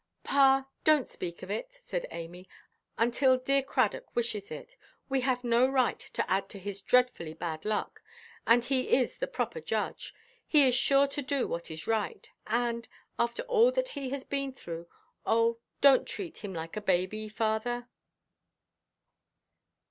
"Pa, donʼt speak of it," said Amy, "until dear Cradock wishes it. We have no right to add to his dreadfully bad luck; and he is the proper judge. He is sure to do what is right. And, after all that he has been through, oh, donʼt treat him like a baby, father."